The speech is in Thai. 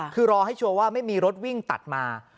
คือรอให้ชัวร์ว่าไม่มีรถวิ่งตัดมา